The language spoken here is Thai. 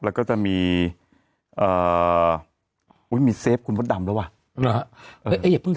แล้วก็จะมีเอ่ออุ้ยมีเซฟคุณมดดำแล้วว่ะนะเอ้ยอย่าเพิ่ง